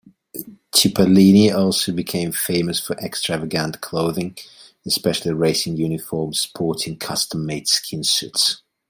Cipollini also became famous for extravagant clothing, especially racing uniforms, sporting custom-made skin suits.